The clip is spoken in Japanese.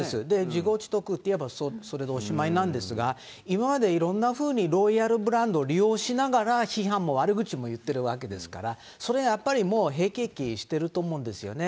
自業自得っていえば、それでおしまいなんですが、今までいろんなふうにロイヤルブランドを利用しながら、批判も悪口も言ってるわけですから、それはやっぱりもう、へきえきしてると思うんですよね。